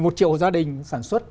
một mươi một triệu gia đình sản xuất